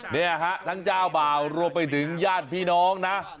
เนี่ยฮะทั้งเจ้าบ่าวรวมไปถึงญาติพี่น้องนะ